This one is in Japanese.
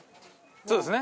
そうですね。